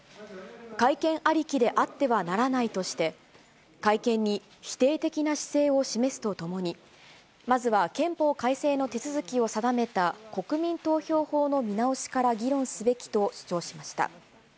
改憲ありきであってはならないとして、改憲に否定的な姿勢を示すとともに、まずは憲法改正の手続きを定めた、国民投票法の見直しから議論すべきと主張しました。